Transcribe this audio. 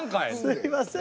すいません。